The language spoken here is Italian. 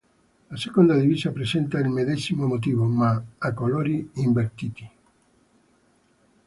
La seconda divisa presenta il medesimo motivo, ma a colori invertiti.